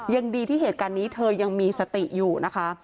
ยังดีที่เหตุการณ์นี้เธอยังมีสติอยู่นะคะ